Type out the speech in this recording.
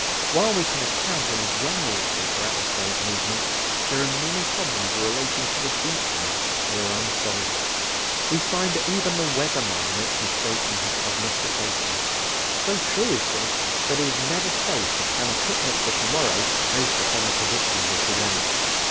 While we can account in a general way for atmospheric movements, there are many problems relating to the details that are unsolved. We find that even the "weather man" makes mistakes in his prognostications; so true is this that it is never safe to plan a picnic for to morrow based upon the predictions of to day.